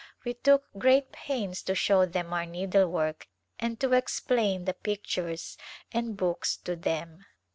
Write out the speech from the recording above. We took great pains to show them our needlework and to explain the pictures and books to them.